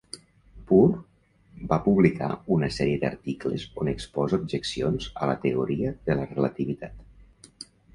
Poor va publicar una sèrie d'articles on exposa objeccions a la teoria de la relativitat.